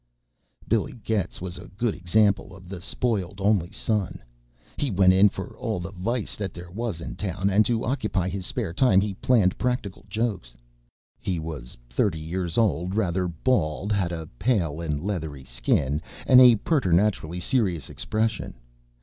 Billy Getz was a good example of the spoiled only son. He went in for all the vice there was in town, and to occupy his spare time he planned practical jokes. He was thirty years old, rather bald, had a pale and leathery skin, and a preternaturally serious expression.